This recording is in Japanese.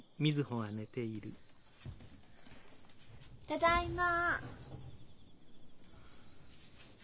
ただいま。